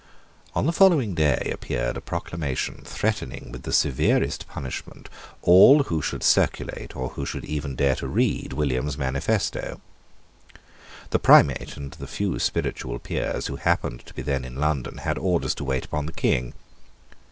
On the following day appeared a proclamation threatening with the severest punishment all who should circulate, or who should even dare to read, William's manifesto. The Primate and the few Spiritual Peers who happened to be then in London had orders to wait upon the King.